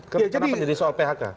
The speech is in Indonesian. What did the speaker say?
kenapa jadi soal phk